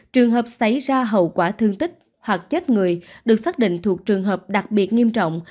trường hợp xảy ra hậu quả thương tích hoặc chết người được xác định thuộc trường hợp đặc biệt nghiêm trọng